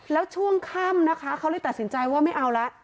แล้วช่วงค่ำนะคะเขาเลยตัดสินใจว่าไม่เอาละ